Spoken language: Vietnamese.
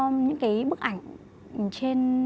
những cái bức ảnh